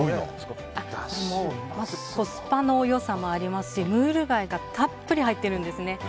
まずコスパの良さもありますしムール貝がたっぷり入ってるんですね。